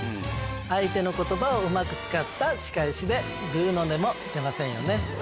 相手の言葉をうまく使った仕返しでぐうの音も出ませんよね。